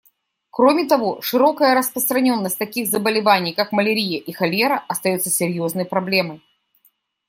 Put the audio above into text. Кроме того, широкая распространенность таких заболеваний, как малярия и холера, остается серьезной проблемой.